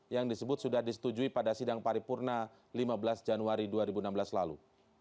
yang disebut sudah disetujui pada sidang paripurna lima belas januari dua ribu enam belas lalu